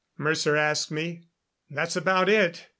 Mercer asked me. "That's about it.